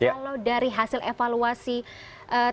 kalau dari hasil evaluasi tkn sendiri